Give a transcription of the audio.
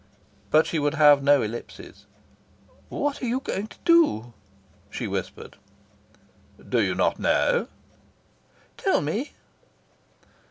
But she would have no ellipses. "What are you going to do?" she whispered. "Do you not know?" "Tell me."